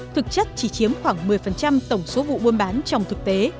thực chất chỉ chiếm khoảng một mươi tổng số vụ buôn bán trong thực tế